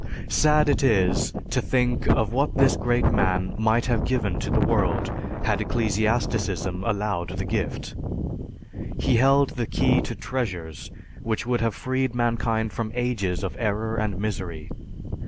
"Sad is it to think of what this great man might have given to the world had ecclesiasticism allowed the gift. He held the key to treasures which would have freed mankind from ages of error and misery.